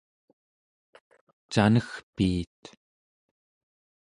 canegpiit